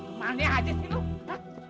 kemahannya aja sih loh